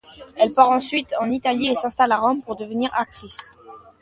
Elle part ensuite en Italie et s'installe à Rome pour devenir actrice.